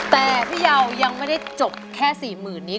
แต่พี่ยาวยังไม่ได้จบแค่สี่หมื่นนี้